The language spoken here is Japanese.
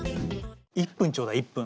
１分ちょうだい１分。